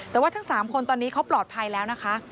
แต่ว่าทั้ง๓คนตอนนี้เขาปลอดภัยแล้วนะคะ